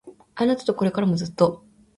あなたとこれからもずっと